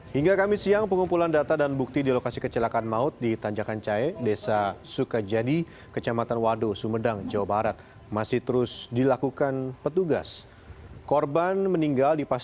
hingga kamis siang pengumpulan data dan bukti di lokasi kecelakaan maut di tanjakan cahe desa sukajadi kecamatan wado sumedang jawa barat masih terus dilakukan petugas